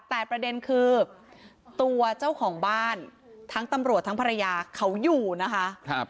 แต่ประเด็นคือตัวเจ้าของบ้านทั้งตำรวจทั้งภรรยาเขาอยู่นะคะ